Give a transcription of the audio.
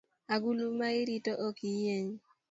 Agulu ma irito ok yieny